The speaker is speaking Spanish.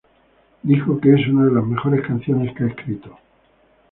Dijo que es una de las mejores canciones que ha escrito.